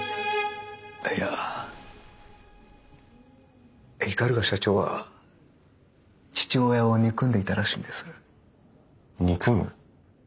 いや鵤社長は父親を憎んでいたらしいんです。憎む？